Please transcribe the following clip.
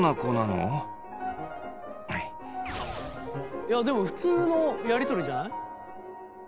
いやでも普通のやり取りじゃない？